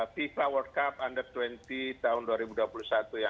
fifa world cup under dua puluh tahun dua ribu dua puluh satu ya